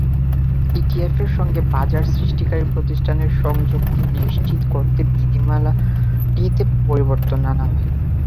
ইটিএফের সঙ্গে বাজার সৃষ্টিকারী প্রতিষ্ঠানের সংযুক্তি নিশ্চিত করতে বিধিমালাটিতে পরিবর্তন আনা হয়।